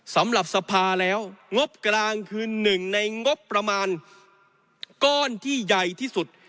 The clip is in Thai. สำหรับสภาแล้วงบกลางคือหนึ่งในงบประมาณก้อนที่ใหญ่ที่สุด